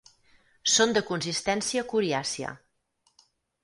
Són de consistència coriàcia.